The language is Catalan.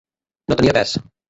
No tenia pes.